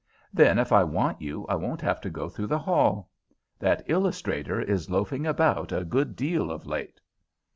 Then, if I want you, I won't have to go through the hall. That illustrator is loafing about a good deal of late."